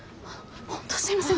本当すいません